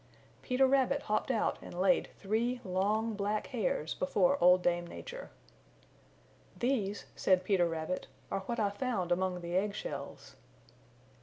Peter Rabbit hopped out and laid three long black hairs before Old Dame Nature. "These," said Peter Rabbit "are what I found among the egg shells."